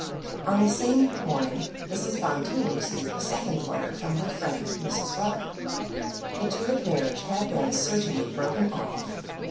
On the same morning Mrs. Bonteen received a second letter from her friend Mrs. Rutter. The Tewett marriage had been certainly broken off.